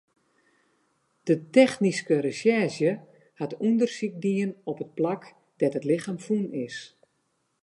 De technyske resjerzje hat ûndersyk dien op it plak dêr't it lichem fûn is.